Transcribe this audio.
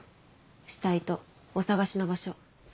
死体とお探しの場所。